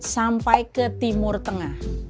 sampai ke timur tengah